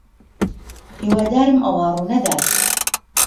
ھیوادارم ئەوە ڕوونەدات.